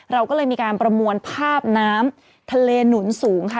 เราก็เลยมีการประมวลภาพน้ำทะเลหนุนสูงค่ะ